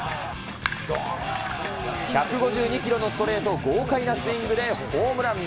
１５２キロのストレートを豪快なスイングでホームラン。